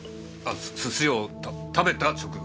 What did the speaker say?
寿司を食べた直後。